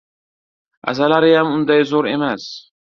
— Asarlariyam unday zo‘r emas.